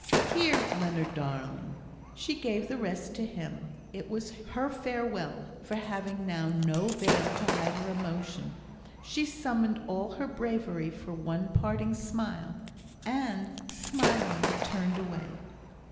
Here, Leonard, darling!" She gave the rest to him. It was her farewell; for having now no veil to hide her emotion, she summoned all her bravery for one parting smile, and, smiling, turned away.